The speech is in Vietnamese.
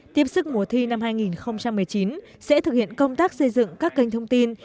tiếp sức mùa thi năm hai nghìn một mươi chín sẽ thực hiện công tác xây dựng các kênh thông tin